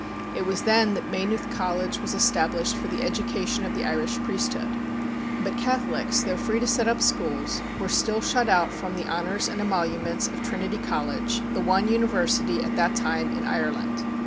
It was then that Maynooth College was established for the education of the Irish priesthood. But Catholics, though free to set up schools, were still shut out from the honors and emoluments of Trinity College, the one university at that time in Ireland.